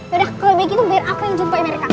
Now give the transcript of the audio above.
yaudah kalau begitu biar apa yang jumpai mereka